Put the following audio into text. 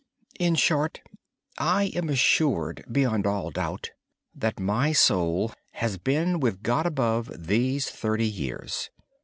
In short, I am sure, beyond all doubt, that my soul has been with God above these past thirty years.